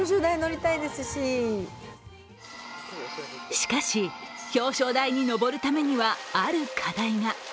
しかし、表彰台に上るためにはある課題が。